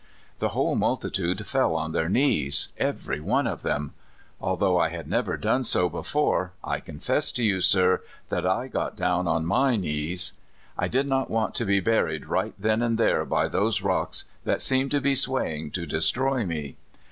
The whole multitude fell on their knees every one of them. Although I had never done so be fore, I confess to you, sir, I got down on my knees. I did not want to be buried right then and there by those rocks that seemed to be swaying to de stroy me.